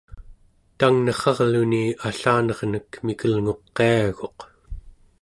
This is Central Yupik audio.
tangnerrarluni allanernek mikelnguq qiaguq